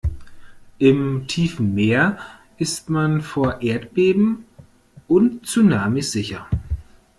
Im tiefen Meer ist man vor Erdbeben und Tsunamis sicher.